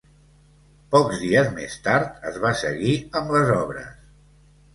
Pocs dies més tard es va seguir amb les obres.